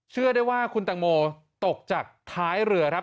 เชื่อได้ว่าคุณตังโมตกจากท้ายเรือครับ